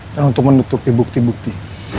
dan untuk menutupi bukti bukti